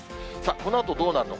このあとどうなるのか。